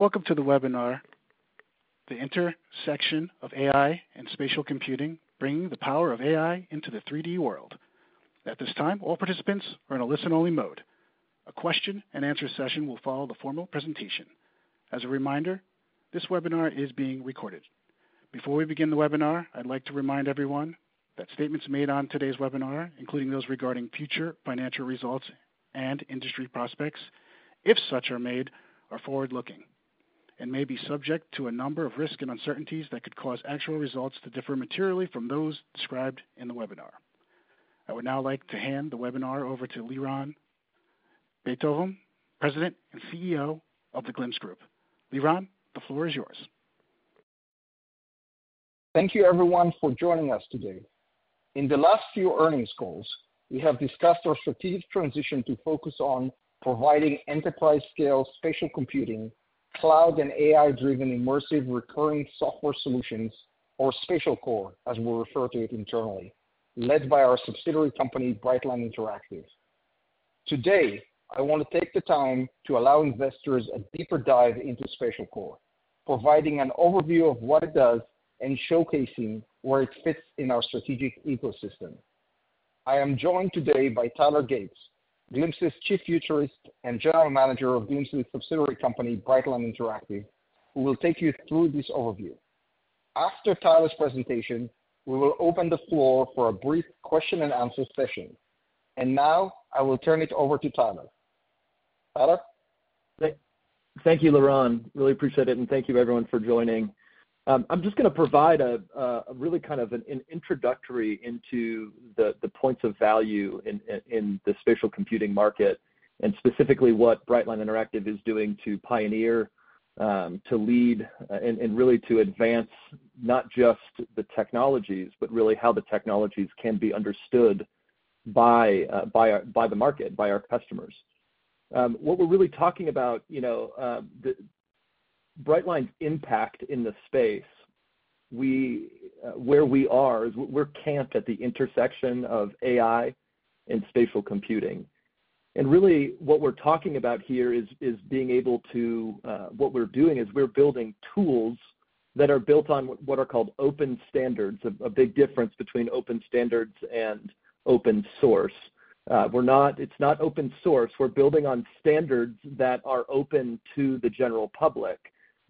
Welcome to the webinar, The Intersection of AI and Spatial Computing: Bringing the Power of AI into the 3D World. At this time, all participants are in a listen-only mode. A question and answer session will follow the formal presentation. As a reminder, this webinar is being recorded. Before we begin the webinar, I'd like to remind everyone that statements made on today's webinar, including those regarding future financial results and industry prospects, if such are made, are forward-looking and may be subject to a number of risks and uncertainties that could cause actual results to differ materially from those described in the webinar. I would now like to hand the webinar over to Lyron Bentovim, President and CEO of the Glimpse Group. Liran, the floor is yours. Thank you everyone for joining us today. In the last few earnings calls, we have discussed our strategic transition to focus on providing enterprise-scale spatial computing, cloud, and AI-driven immersive recurring software solutions, or SpatialCore, as we refer to it internally, led by our subsidiary company, Brightline Interactive. Today, I want to take the time to allow investors a deeper dive into SpatialCore, providing an overview of what it does and showcasing where it fits in our strategic ecosystem. I am joined today by Tyler Gates, Glimpse's Chief Futurist and General Manager of Glimpse's subsidiary company, Brightline Interactive, who will take you through this overview. After Tyler's presentation, we will open the floor for a brief question and answer session. And now I will turn it over to Tyler. Tyler? Thank you, Liran. Really appreciate it, and thank you everyone for joining. I'm just gonna provide a really kind of an introductory into the points of value in the spatial computing market, and specifically what Brightline Interactive is doing to pioneer, to lead, and really to advance not just the technologies, but really how the technologies can be understood by the market, by our customers. What we're really talking about, you know, the Brightline's impact in the space, where we are is we're camped at the intersection of AI and spatial computing. Really, what we're talking about here is being able to. What we're doing is we're building tools that are built on what are called open standards. A big difference between open standards and open source. We're not. It's not open source. We're building on standards that are open to the general public,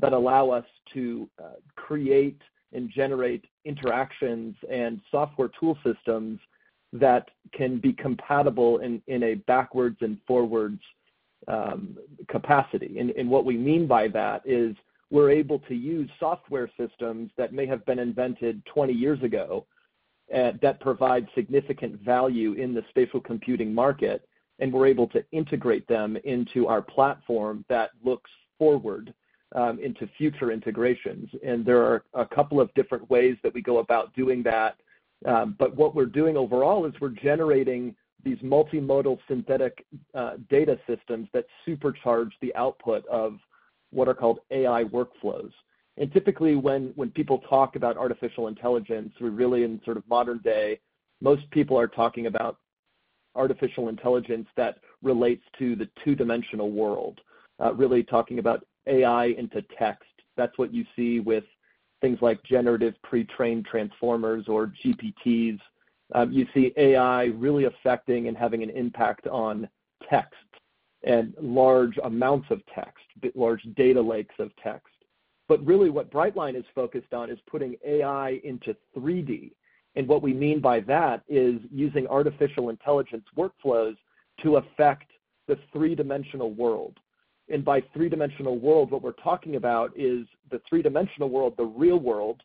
that allow us to create and generate interactions and software tool systems that can be compatible in a backwards and forwards capacity, and what we mean by that is we're able to use software systems that may have been invented twenty years ago that provide significant value in the spatial computing market, and we're able to integrate them into our platform that looks forward into future integrations, and there are a couple of different ways that we go about doing that, but what we're doing overall is we're generating these multimodal synthetic data systems that supercharge the output of what are called AI workflows. Typically, when people talk about artificial intelligence, we're really in sort of modern day, most people are talking about artificial intelligence that relates to the two-dimensional world. Really talking about AI into text. That's what you see with things like generative pre-trained transformers or GPTs. You see AI really affecting and having an impact on text and large amounts of text, large data lakes of text. Really, what Brightline is focused on is putting AI into 3D. What we mean by that is using artificial intelligence workflows to affect the three-dimensional world. By three-dimensional world, what we're talking about is the three-dimensional world, the real world,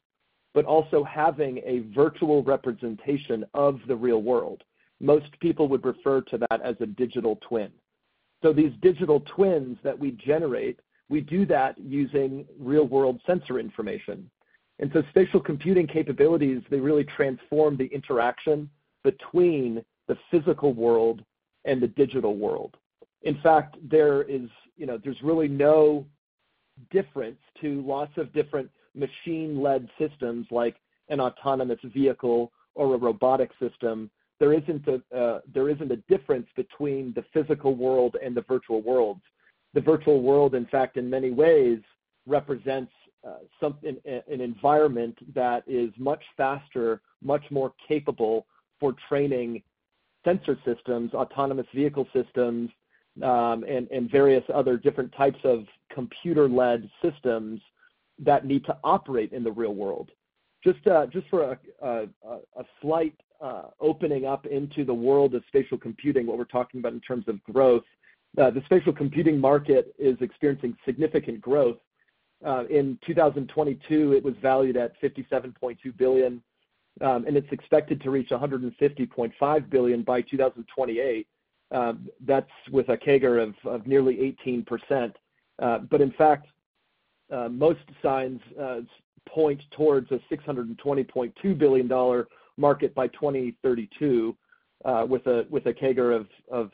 but also having a virtual representation of the real world. Most people would refer to that as a digital twin. These digital twins that we generate, we do that using real-world sensor information. Spatial computing capabilities, they really transform the interaction between the physical world and the digital world. In fact, there is, you know, there's really no difference to lots of different machine-led systems like an autonomous vehicle or a robotic system. There isn't a difference between the physical world and the virtual worlds. The virtual world, in fact, in many ways, represents an environment that is much faster, much more capable for training sensor systems, autonomous vehicle systems, and various other different types of computer-led systems that need to operate in the real world. Just for a slight opening up into the world of spatial computing, what we're talking about in terms of growth, the spatial computing market is experiencing significant growth. In two thousand twenty-two, it was valued at $57.2 billion, and it's expected to reach $150.5 billion by two thousand twenty-eight. That's with a CAGR of nearly 18%. But in fact, most signs point towards a $620.2 billion dollar market by twenty thirty-two, with a CAGR of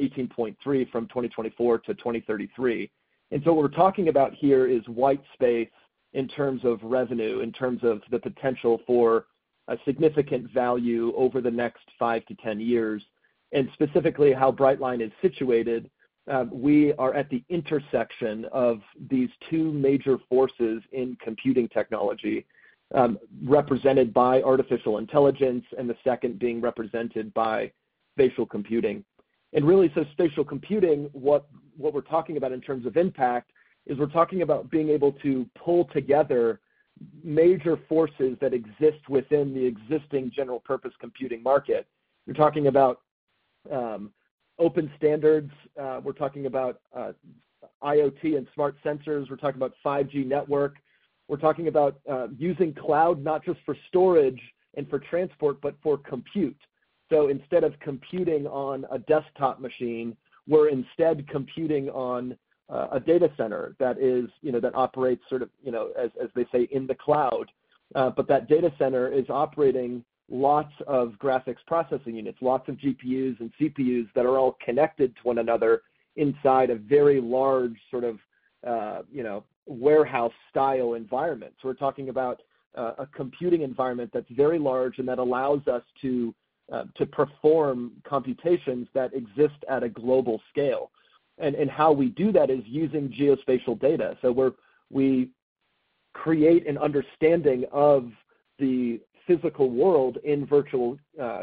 18.3 from twenty twenty-four to twenty thirty-three. And so what we're talking about here is white space in terms of revenue, in terms of the potential for a significant value over the next five to ten years, and specifically how Brightline is situated. We are at the intersection of these two major forces in computing technology, represented by artificial intelligence, and the second being represented by spatial computing. And really, so spatial computing, what we're talking about in terms of impact, is we're talking about being able to pull together major forces that exist within the existing general purpose computing market. We're talking about open standards. We're talking about IoT and smart sensors. We're talking about 5G network. We're talking about using cloud, not just for storage and for transport, but for compute. So instead of computing on a desktop machine, we're instead computing on a data center that is, you know, that operates sort of, you know, as they say, in the cloud. But that data center is operating lots of graphics processing units, lots of GPUs and CPUs that are all connected to one another inside a very large sort of, you know, warehouse-style environment. So we're talking about a computing environment that's very large and that allows us to perform computations that exist at a global scale. And how we do that is using geospatial data. So we create an understanding of the physical world in virtual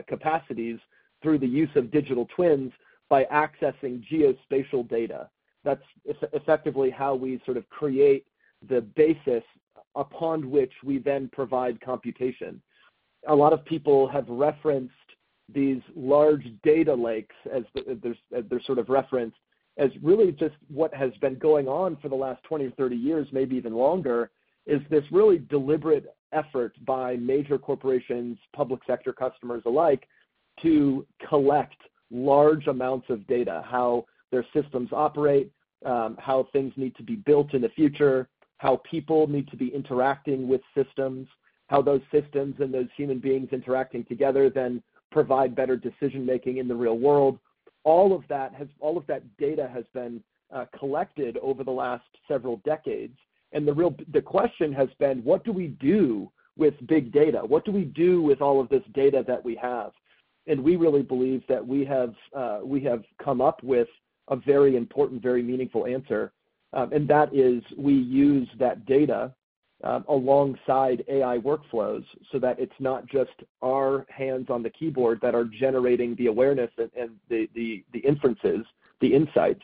capacities through the use of digital twins by accessing geospatial data. That's effectively how we sort of create the basis upon which we then provide computation. A lot of people have referenced these large data lakes as they're sort of referenced as really just what has been going on for the last twenty or thirty years, maybe even longer, is this really deliberate effort by major corporations, public sector customers alike, to collect large amounts of data, how their systems operate, how things need to be built in the future, how people need to be interacting with systems, how those systems and those human beings interacting together then provide better decision-making in the real world. All of that data has been collected over the last several decades, and the question has been: What do we do with big data? What do we do with all of this data that we have? And we really believe that we have come up with a very important, very meaningful answer, and that is we use that data alongside AI workflows so that it's not just our hands on the keyboard that are generating the awareness and the inferences, the insights.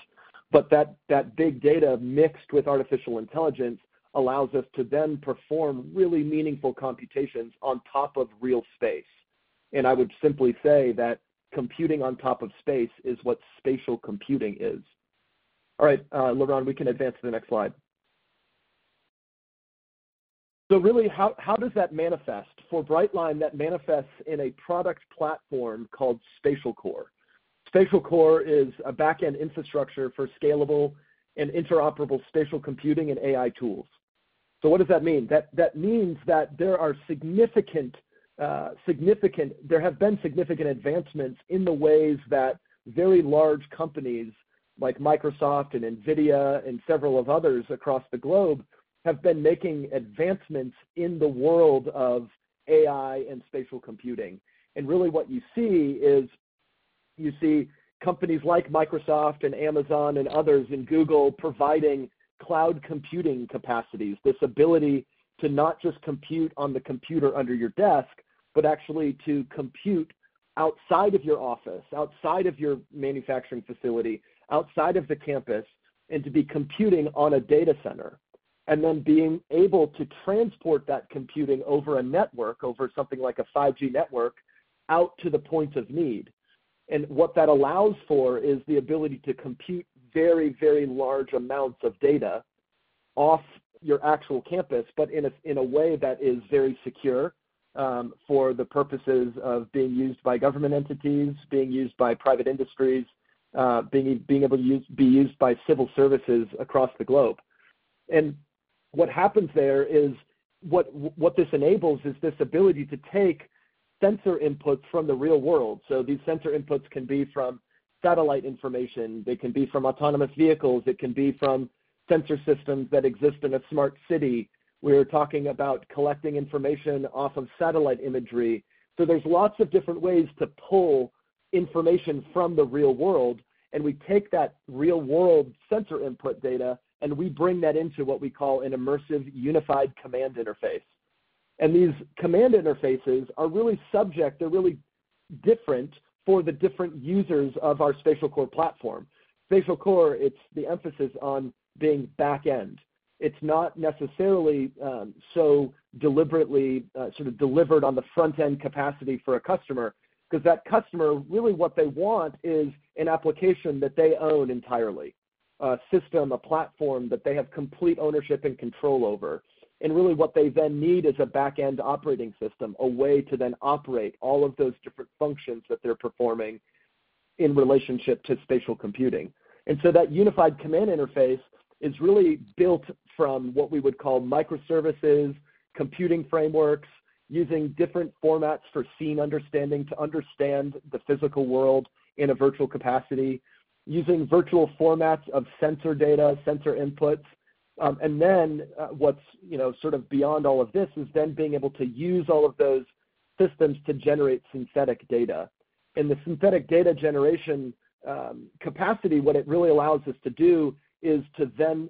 But that big data mixed with artificial intelligence allows us to then perform really meaningful computations on top of real space. And I would simply say that computing on top of space is what spatial computing is. All right, Liran, we can advance to the next slide. So really, how does that manifest? For Brightline, that manifests in a product platform called SpatialCore. SpatialCore is a back-end infrastructure for scalable and interoperable spatial computing and AI tools. So what does that mean? That means that there have been significant advancements in the ways that very large companies, like Microsoft and NVIDIA and several of others across the globe, have been making advancements in the world of AI and spatial computing. And really what you see is, you see companies like Microsoft and Amazon and others, and Google, providing cloud computing capacities. This ability to not just compute on the computer under your desk, but actually to compute outside of your office, outside of your manufacturing facility, outside of the campus, and to be computing on a data center. And then being able to transport that computing over a network, over something like a 5G network, out to the points of need. And what that allows for is the ability to compute very, very large amounts of data off your actual campus, but in a way that is very secure, for the purposes of being used by government entities, being used by private industries, being able to be used by civil services across the globe. And what happens there is. What this enables is this ability to take sensor inputs from the real world. So these sensor inputs can be from satellite information, they can be from autonomous vehicles, it can be from sensor systems that exist in a smart city. We're talking about collecting information off of satellite imagery. So there's lots of different ways to pull information from the real world, and we take that real-world sensor input data, and we bring that into what we call an immersive, unified command interface. These command interfaces are really subject. They're really different for the different users of our SpatialCore platform. SpatialCore, it's the emphasis on being back-end. It's not necessarily so deliberately sort of delivered on the front-end capacity for a customer, 'cause that customer, really what they want is an application that they own entirely. A system, a platform that they have complete ownership and control over. Really, what they then need is a back-end operating system, a way to then operate all of those different functions that they're performing in relationship to spatial computing. That unified command interface is really built from what we would call microservices, computing frameworks, using different formats for scene understanding, to understand the physical world in a virtual capacity, using virtual formats of sensor data, sensor inputs. And then, what's, you know, sort of beyond all of this is then being able to use all of those systems to generate synthetic data. And the synthetic data generation, capacity, what it really allows us to do is to then,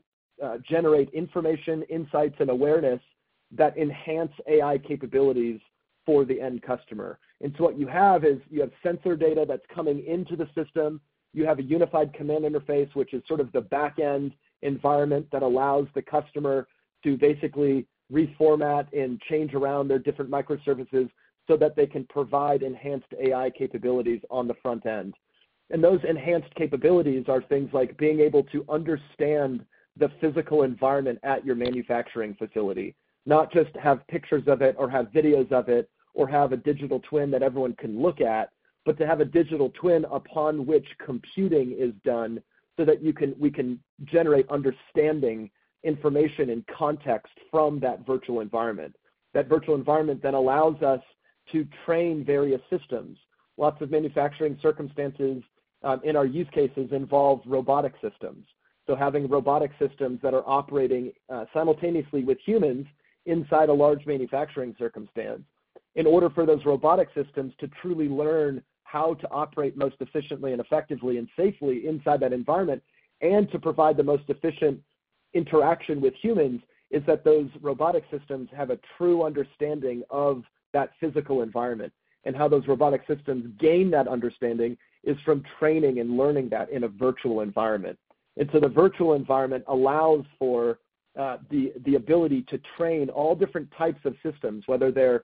generate information, insights, and awareness that enhance AI capabilities for the end customer. And so what you have is you have sensor data that's coming into the system, you have a unified command interface, which is sort of the back-end environment that allows the customer to basically reformat and change around their different microservices so that they can provide enhanced AI capabilities on the front end. Those enhanced capabilities are things like being able to understand the physical environment at your manufacturing facility, not just have pictures of it, or have videos of it, or have a digital twin that everyone can look at, but to have a digital twin upon which computing is done so that you can, we can generate understanding, information, and context from that virtual environment. That virtual environment then allows us to train various systems. Lots of manufacturing circumstances in our use cases involve robotic systems, so having robotic systems that are operating simultaneously with humans inside a large manufacturing circumstance. In order for those robotic systems to truly learn how to operate most efficiently and effectively and safely inside that environment, and to provide the most efficient interaction with humans, is that those robotic systems have a true understanding of that physical environment. And how those robotic systems gain that understanding is from training and learning that in a virtual environment. And so the virtual environment allows for the ability to train all different types of systems, whether they're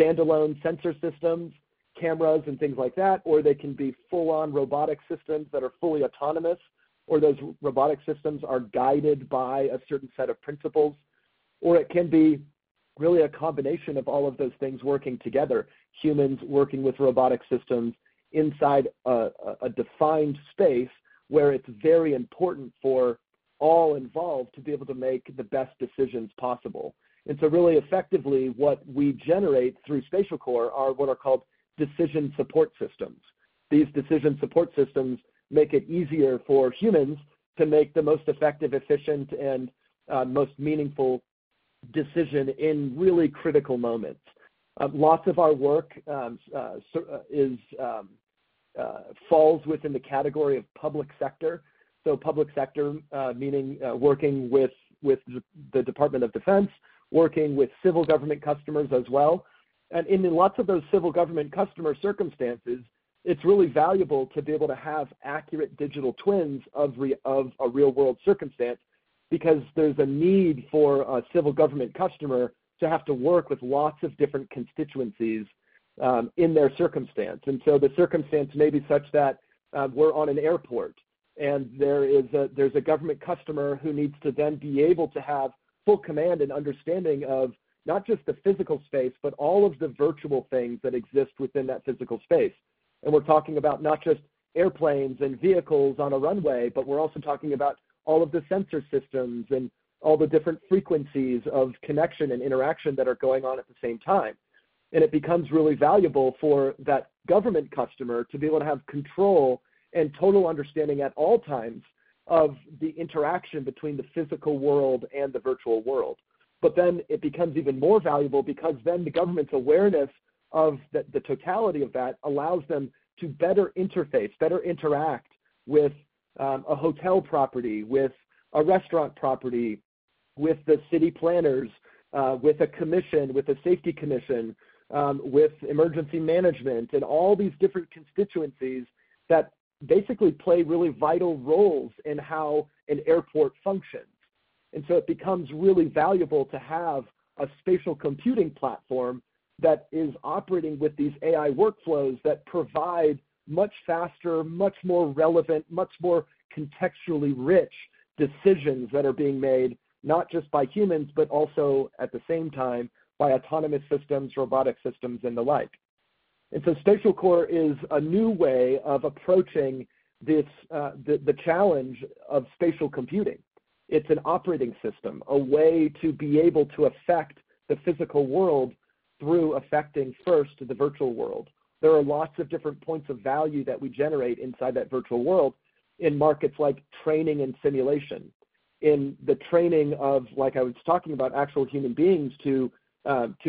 standalone sensor systems, cameras, and things like that, or they can be full-on robotic systems that are fully autonomous, or those robotic systems are guided by a certain set of principles, or it can be really a combination of all of those things working together, humans working with robotic systems inside a defined space where it's very important for all involved to be able to make the best decisions possible. And so really effectively, what we generate through SpatialCore are what are called decision support systems. These decision support systems make it easier for humans to make the most effective, efficient, and most meaningful decision in really critical moments. Lots of our work falls within the category of public sector. So public sector meaning working with the Department of Defense, working with civil government customers as well. And in lots of those civil government customer circumstances, it's really valuable to be able to have accurate digital twins of a real-world circumstance, because there's a need for a civil government customer to have to work with lots of different constituencies in their circumstance. And so the circumstance may be such that we're on an airport, and there's a government customer who needs to then be able to have full command and understanding of not just the physical space, but all of the virtual things that exist within that physical space. We're talking about not just airplanes and vehicles on a runway, but we're also talking about all of the sensor systems and all the different frequencies of connection and interaction that are going on at the same time. It becomes really valuable for that government customer to be able to have control and total understanding at all times of the interaction between the physical world and the virtual world. It becomes even more valuable because the government's awareness of the totality of that allows them to better interface, better interact with a hotel property, with a restaurant property, with the city planners, with a commission, with a safety commission, with emergency management, and all these different constituencies that basically play really vital roles in how an airport functions. And so it becomes really valuable to have a spatial computing platform that is operating with these AI workflows that provide much faster, much more relevant, much more contextually rich decisions that are being made, not just by humans, but also, at the same time, by autonomous systems, robotic systems, and the like. And so SpatialCore is a new way of approaching this, the challenge of spatial computing. It's an operating system, a way to be able to affect the physical world through affecting first the virtual world. There are lots of different points of value that we generate inside that virtual world in markets like training and simulation. In the training of, like I was talking about, actual human beings to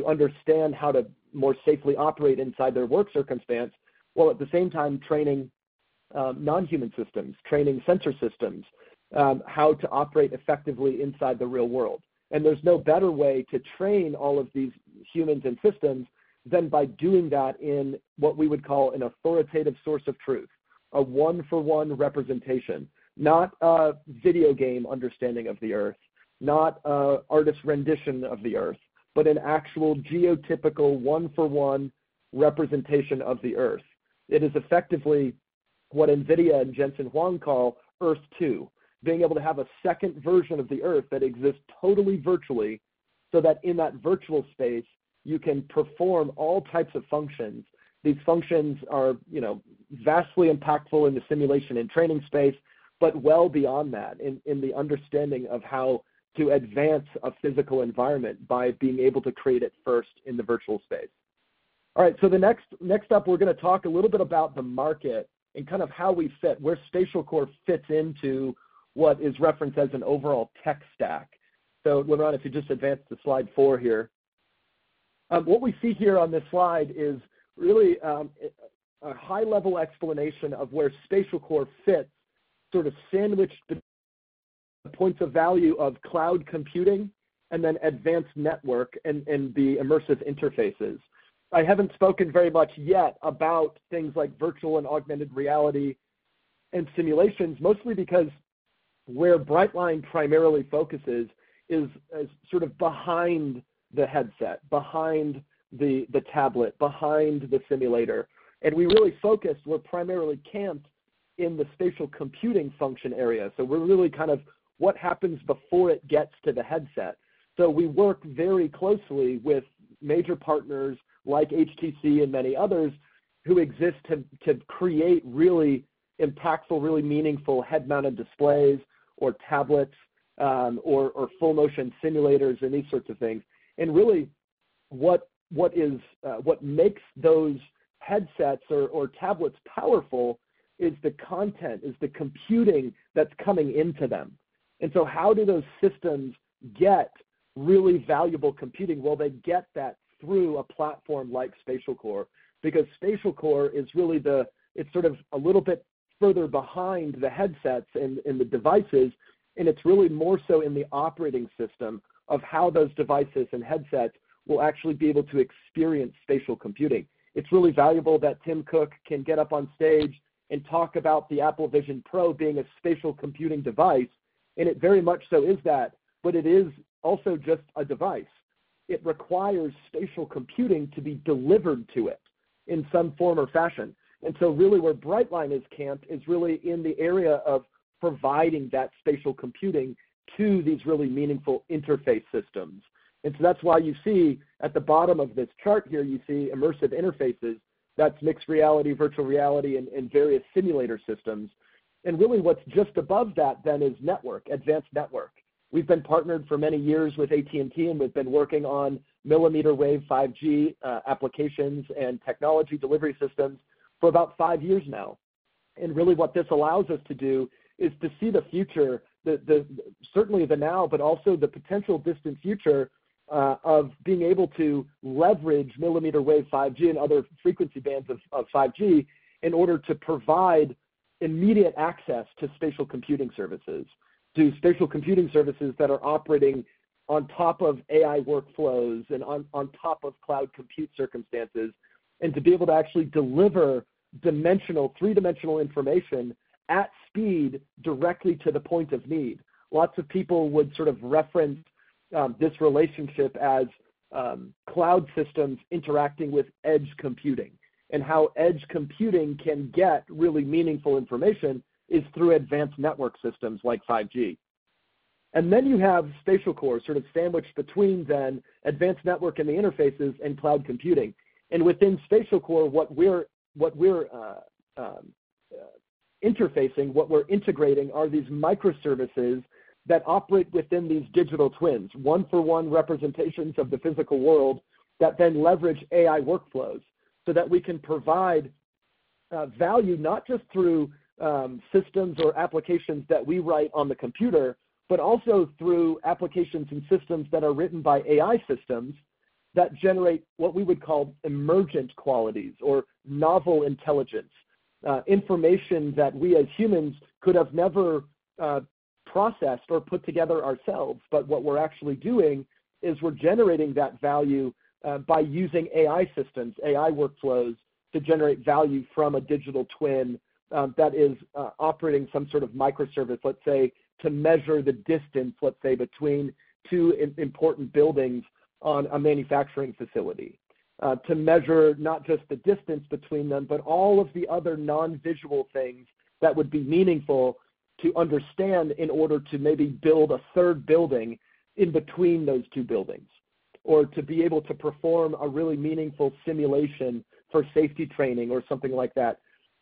understand how to more safely operate inside their work circumstance, while at the same time training non-human systems, sensor systems how to operate effectively inside the real world. And there's no better way to train all of these humans and systems than by doing that in what we would call an authoritative source of truth, a one-for-one representation. Not a video game understanding of the Earth, not an artist's rendition of the Earth, but an actual geotypical, one-for-one representation of the Earth. It is effectively what NVIDIA and Jensen Huang call Earth-2, being able to have a second version of the Earth that exists totally virtually, so that in that virtual space, you can perform all types of functions. These functions are, you know, vastly impactful in the simulation and training space, but well beyond that in the understanding of how to advance a physical environment by being able to create it first in the virtual space. All right, so the next up, we're gonna talk a little bit about the market and kind of how we fit, where SpatialCore fits into what is referenced as an overall tech stack. So Liran, if you just advance to slide four here. What we see here on this slide is really a high-level explanation of where SpatialCore fits, sort of sandwiched between the points of value of cloud computing and then advanced network and the immersive interfaces. I haven't spoken very much yet about things like virtual and augmented reality and simulations, mostly because where Brightline primarily focuses is sort of behind the headset, behind the tablet, behind the simulator. And we really focus, we're primarily camped in the spatial computing function area. So we're really kind of what happens before it gets to the headset. So we work very closely with major partners like HTC and many others, who exist to create really impactful, really meaningful head-mounted displays or tablets, or full motion simulators and these sorts of things. And really, what makes those headsets or tablets powerful is the content, is the computing that's coming into them. And so how do those systems get really valuable computing? Well, they get that through a platform like SpatialCore, because SpatialCore is really the, it's sort of a little bit further behind the headsets and the devices, and it's really more so in the operating system of how those devices and headsets will actually be able to experience spatial computing. It's really valuable that Tim Cook can get up on stage and talk about the Apple Vision Pro being a spatial computing device, and it very much so is that, but it is also just a device. It requires spatial computing to be delivered to it in some form or fashion. And so really, where Brightline is camped is really in the area of providing that spatial computing to these really meaningful interface systems. And so that's why you see at the bottom of this chart here, you see immersive interfaces. That's mixed reality, virtual reality, and various simulator systems. And really, what's just above that then is network, advanced network. We've been partnered for many years with AT&T, and we've been working on millimeter wave 5G applications and technology delivery systems for about five years now. And really, what this allows us to do is to see the future, certainly the now, but also the potential distant future, of being able to leverage millimeter wave 5G and other frequency bands of 5G in order to provide immediate access to spatial computing services, do spatial computing services that are operating on top of AI workflows and on top of cloud compute circumstances, and to be able to actually deliver dimensional, three-dimensional information at speed directly to the point of need. Lots of people would sort of reference this relationship as cloud systems interacting with edge computing, and how edge computing can get really meaningful information is through advanced network systems like 5G. And then you have SpatialCore sort of sandwiched between the advanced network and the interfaces and cloud computing. And within SpatialCore, what we're interfacing, what we're integrating are these microservices that operate within these digital twins, one-for-one representations of the physical world, that then leverage AI workflows, so that we can provide value not just through systems or applications that we write on the computer, but also through applications and systems that are written by AI systems that generate what we would call emergent qualities or novel intelligence. Information that we, as humans, could have never processed or put together ourselves. But what we're actually doing is we're generating that value by using AI systems, AI workflows, to generate value from a digital twin that is operating some sort of microservice, let's say, to measure the distance, let's say, between two important buildings on a manufacturing facility. To measure not just the distance between them, but all of the other non-visual things that would be meaningful to understand in order to maybe build a third building in between those two buildings, or to be able to perform a really meaningful simulation for safety training or something like that.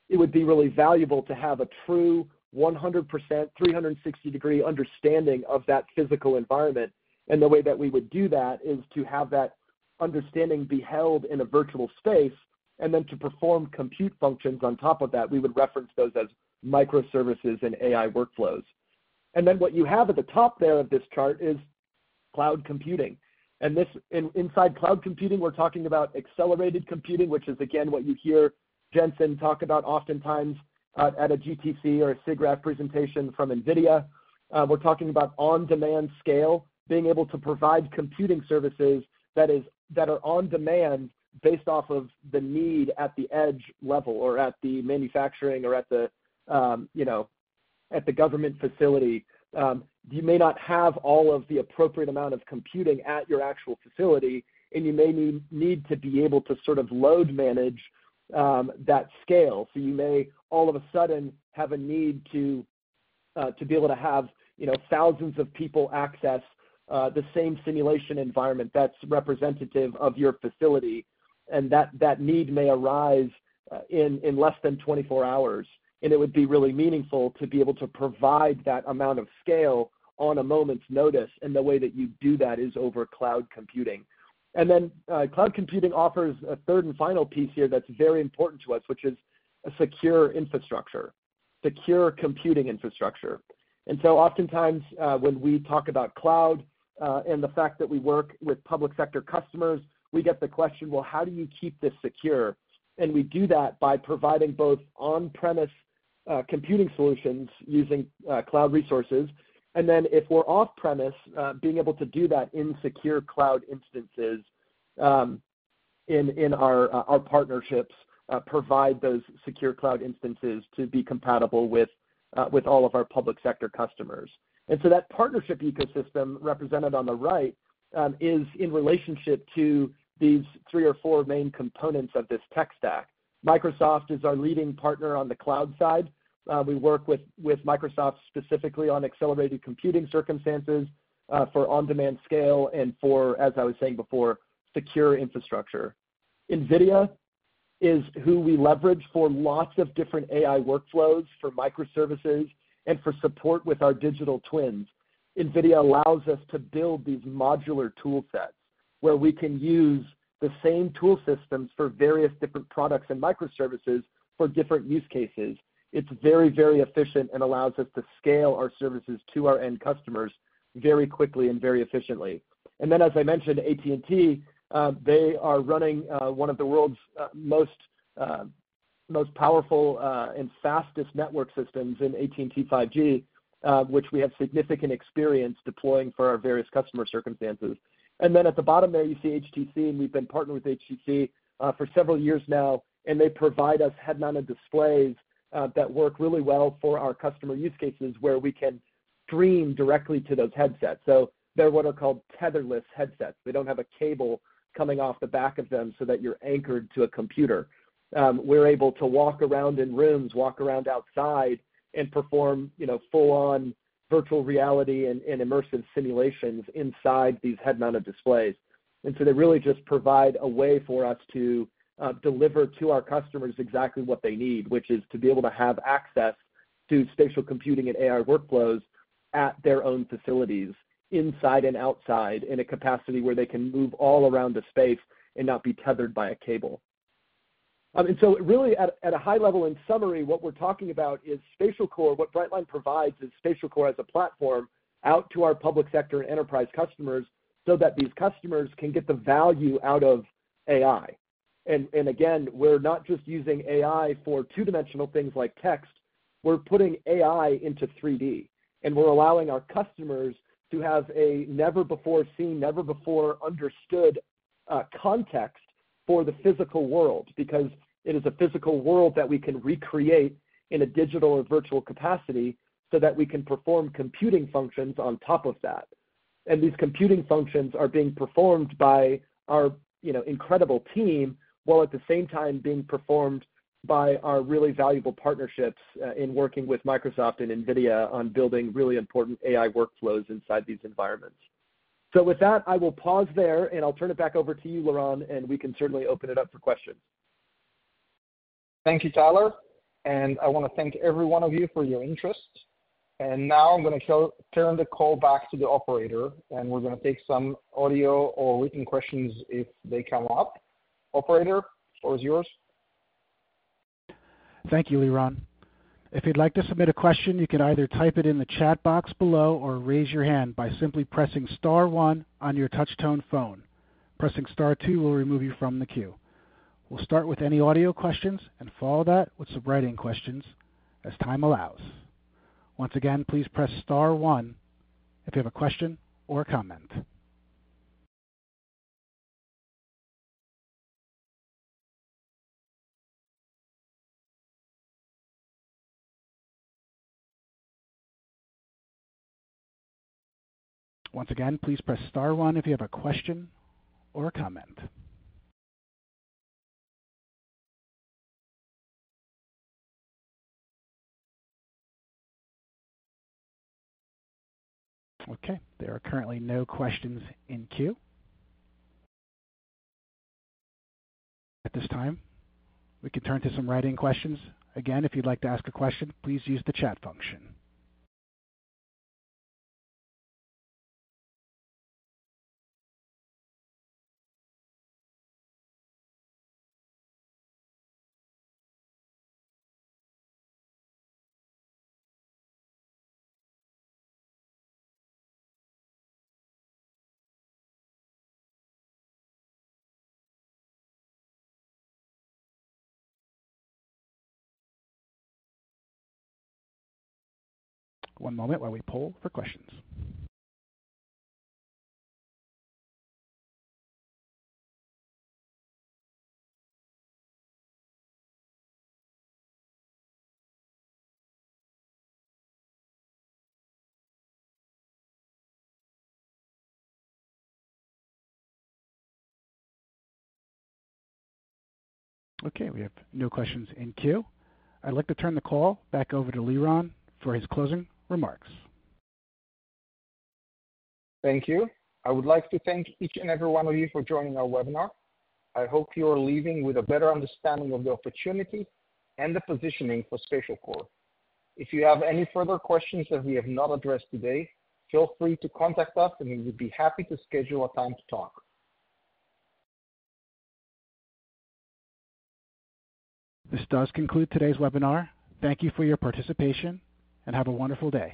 It would be really valuable to have a true 100%, 360-degree understanding of that physical environment, and the way that we would do that is to have that understanding be held in a virtual space and then to perform compute functions on top of that. We would reference those as microservices and AI workflows. And then what you have at the top there of this chart is cloud computing. Inside cloud computing, we're talking about accelerated computing, which is, again, what you hear Jensen talk about oftentimes, at a GTC or a SIGGRAPH presentation from NVIDIA. We're talking about on-demand scale, being able to provide computing services that are on demand based off of the need at the edge level or at the manufacturing or at the, you know, at the government facility. You may not have all of the appropriate amount of computing at your actual facility, and you may need to be able to sort of load manage that scale, so you may all of a sudden have a need to be able to have, you know, thousands of people access the same simulation environment that's representative of your facility, and that need may arise in less than twenty-four hours, and it would be really meaningful to be able to provide that amount of scale on a moment's notice, and the way that you do that is over cloud computing, and then cloud computing offers a third and final piece here that's very important to us, which is a secure computing infrastructure. And so oftentimes, when we talk about cloud, and the fact that we work with public sector customers, we get the question: Well, how do you keep this secure? And we do that by providing both on-premise computing solutions using cloud resources. And then, if we're off-premise, being able to do that in secure cloud instances, in our partnerships provide those secure cloud instances to be compatible with all of our public sector customers. And so that partnership ecosystem represented on the right is in relationship to these three or four main components of this tech stack. Microsoft is our leading partner on the cloud side. We work with Microsoft specifically on accelerated computing circumstances for on-demand scale and for, as I was saying before, secure infrastructure. NVIDIA is who we leverage for lots of different AI workflows, for microservices, and for support with our digital twins. NVIDIA allows us to build these modular tool sets, where we can use the same tool systems for various different products and microservices for different use cases. It's very, very efficient and allows us to scale our services to our end customers very quickly and very efficiently. And then, as I mentioned, AT&T, they are running one of the world's most powerful and fastest network systems in AT&T 5G, which we have significant experience deploying for our various customer circumstances. And then at the bottom there, you see HTC, and we've been partnered with HTC for several years now, and they provide us head-mounted displays that work really well for our customer use cases, where we can stream directly to those headsets. So they're what are called tetherless headsets. They don't have a cable coming off the back of them so that you're anchored to a computer. We're able to walk around in rooms, walk around outside and perform, you know, full-on virtual reality and immersive simulations inside these head-mounted displays. So they really just provide a way for us to deliver to our customers exactly what they need, which is to be able to have access to spatial computing and AR workflows at their own facilities, inside and outside, in a capacity where they can move all around the space and not be tethered by a cable. And so really at a high level, in summary, what we're talking about is SpatialCore. What Brightline provides is SpatialCore as a platform out to our public sector and enterprise customers, so that these customers can get the value out of AI. And again, we're not just using AI for two-dimensional things like text. We're putting AI into 3D, and we're allowing our customers to have a never-before-seen, never-before-understood context for the physical world, because it is a physical world that we can recreate in a digital or virtual capacity so that we can perform computing functions on top of that. And these computing functions are being performed by our, you know, incredible team, while at the same time being performed by our really valuable partnerships in working with Microsoft and NVIDIA on building really important AI workflows inside these environments. So with that, I will pause there, and I'll turn it back over to you, Liran, and we can certainly open it up for questions. Thank you, Tyler, and I want to thank every one of you for your interest. And now I'm going to turn the call back to the operator, and we're going to take some audio or written questions if they come up. Operator, the floor is yours. Thank you, Liran. If you'd like to submit a question, you can either type it in the chat box below or raise your hand by simply pressing star one on your touch tone phone. Pressing star two will remove you from the queue. We'll start with any audio questions and follow that with some write-in questions as time allows. Once again, please press star one if you have a question or a comment. Once again, please press star one if you have a question or a comment. Okay, there are currently no questions in queue. At this time, we can turn to some write-in questions. Again, if you'd like to ask a question, please use the chat function. One moment while we poll for questions. Okay, we have no questions in queue. I'd like to turn the call back over to Liran for his closing remarks. Thank you. I would like to thank each and every one of you for joining our webinar. I hope you are leaving with a better understanding of the opportunity and the positioning for SpatialCore. If you have any further questions that we have not addressed today, feel free to contact us, and we would be happy to schedule a time to talk. This does conclude today's webinar. Thank you for your participation, and have a wonderful day.